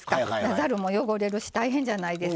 ざるも汚れるし大変じゃないですか。